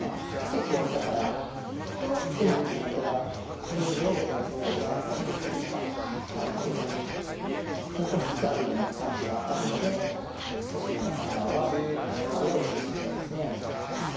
結構だからうまく先手が現状は後手の攻めを押さえ込んでるというか受け止めに成功しつつあるような感じはあるので少し三浦さん側はあやをつけていきたいですね。